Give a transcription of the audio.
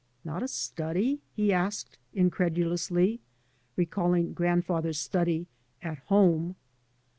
"Not a study?" he asked incredulously, recalling grand father's study " at home."